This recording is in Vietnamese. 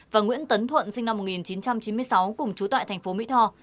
và nguyễn tấn thuận sinh năm một nghìn chín trăm chín mươi sáu cùng chú tại tp mỹ tho